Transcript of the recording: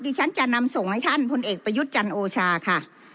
ฉันจะนำส่งให้ท่านพลเอกประยุทธ์จันทร์โอชาค่ะ